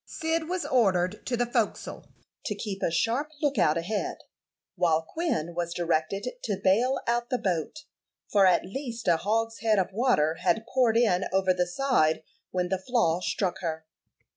Cyd was ordered to the forecastle to keep a sharp lookout ahead, while Quin was directed to bale out the boat, for at least a hogshead of water had poured in over the side when the flaw struck her.